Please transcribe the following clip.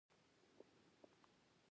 عطرونه د هر عمر لپاره مناسب دي.